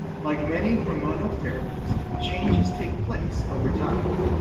Like many hormonal therapies, changes take place over time.